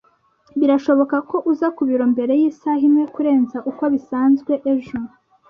Birashoboka ko uza ku biro mbere yisaha imwe kurenza uko bisanzwe ejo?